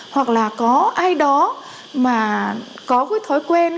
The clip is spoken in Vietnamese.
hoặc là có ai đó mà có cái thói quen